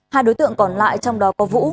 hai đối tượng còn lại trong đó có vũ